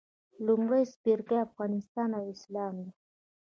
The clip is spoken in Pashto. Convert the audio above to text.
لومړی څپرکی افغانستان او اسلام دی.